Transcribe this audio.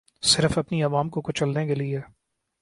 صرف اپنی عوام کو کچلنے کیلیے